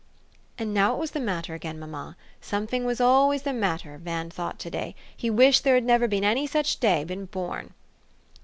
And now what was the matter, again, mamma? Somefing was always the matter, Van thought to day. He wished there had never any such day been born.